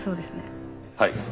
はい。